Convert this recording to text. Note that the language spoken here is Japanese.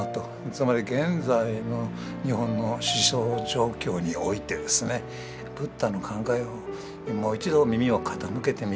つまり現在の日本の思想状況においてですねブッダの考えにもう一度耳を傾けてみよう。